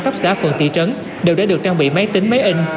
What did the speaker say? cấp xã phường thị trấn đều đã được trang bị máy tính máy in